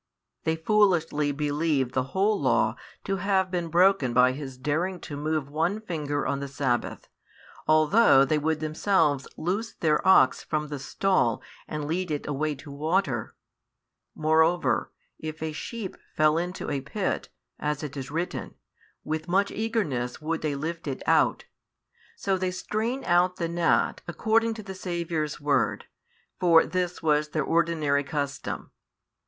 They foolishly believe the whole law to have been broken by His daring to move one finger on the sabbath, although they would themselves loose their ox from the stall and lead it away to water; moreover, if a sheep fell into a pit, as it is written, with much eagerness they would lift it out. So they strain out the gnat, according to the Saviour's word; for this was their ordinary custom.